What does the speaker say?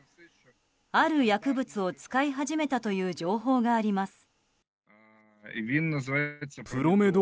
ある薬物を使い始めたという情報があります。